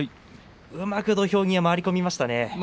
うまく土俵際、回り込みましたね。